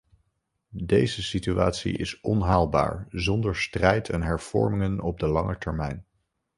Deze situatie is onhaalbaar zonder strijd en hervormingen op de lange termijn.